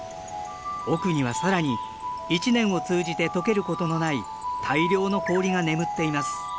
奥には更に一年を通じて解けることのない大量の氷が眠っています。